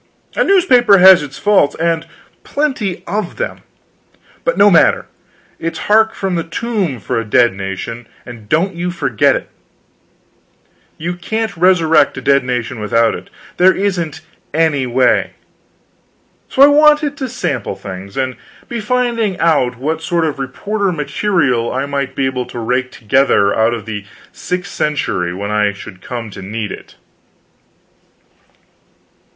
A newspaper has its faults, and plenty of them, but no matter, it's hark from the tomb for a dead nation, and don't you forget it. You can't resurrect a dead nation without it; there isn't any way. So I wanted to sample things, and be finding out what sort of reporter material I might be able to rake together out of the sixth century when I should come to need it.